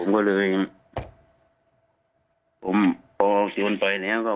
ผมก็เลยพอจูนไปแล้ว